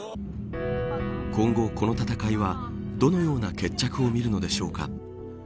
今後、この戦いはどのような決着を見るのでしょうか。